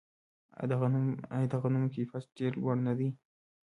آیا د غنمو کیفیت ډیر لوړ نه دی؟